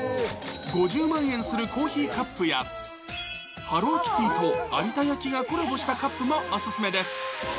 ５０万円するコーヒーカップや、ハローキティと有田焼がコラボしたカップもお勧めです。